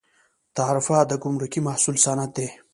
تعرفه د ګمرکي محصول سند دی